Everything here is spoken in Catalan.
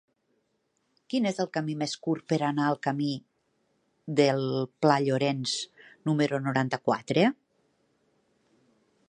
Quin és el camí més curt per anar al camí del Pla Llorenç número noranta-quatre?